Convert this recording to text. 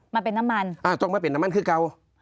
มาเป็นน้ำมันต้องมาเป็นน้ำมันคี่เกลา